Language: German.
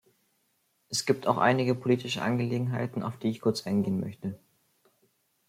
Es gibt auch einige politische Angelegenheiten, auf die ich kurz eingehen möchte.